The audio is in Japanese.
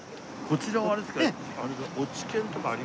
こちらはあれですか？